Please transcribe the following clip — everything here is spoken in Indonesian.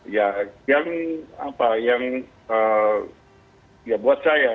ya yang apa yang ya buat saya